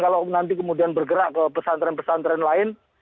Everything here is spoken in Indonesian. kalau nanti kemudian bergerak ke pesantren pesantren lain